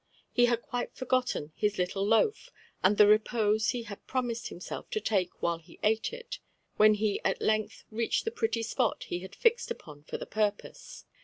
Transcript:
He had quite forgotten his little loaf, and the repose he had pro mised himself to take while he ate it, when he at length reached the pretty spot he had fixed upon for the purpose.